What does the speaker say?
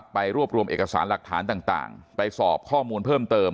ไปรวบรวมเอกสารหลักฐานต่างไปสอบข้อมูลเพิ่มเติม